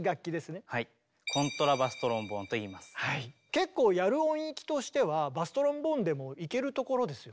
結構やる音域としてはバストロンボーンでもいけるところですよね？